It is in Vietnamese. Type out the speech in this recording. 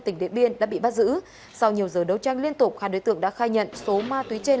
tỉnh điện biên đã bị bắt giữ sau nhiều giờ đấu tranh liên tục hai đối tượng đã khai nhận số ma túy trên